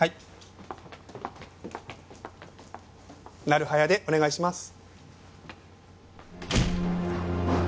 なる早でお願いします。